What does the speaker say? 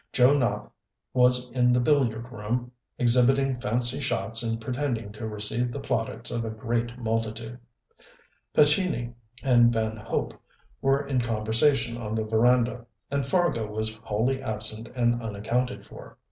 Joe Nopp was in the billiard room exhibiting fancy shots and pretending to receive the plaudits of a great multitude; Pescini and Van Hope were in conversation on the veranda, and Fargo was wholly absent and unaccounted for.